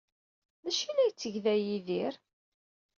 D acu ay la yetteg da Yidir?